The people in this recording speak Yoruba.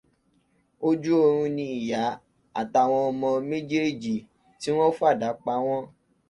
Ojú oorun ni ìyá àtàwọn ọmọ méjèèjì tí wọn fàdá pa wọ́n.